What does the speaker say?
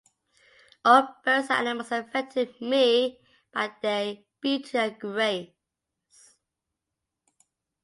All birds and animals affected me by their beauty and grace